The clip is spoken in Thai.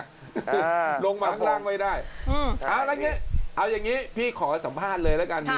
เอาอย่างนี้พี่ขอสัมภาษณ์เลยโอนิกากัน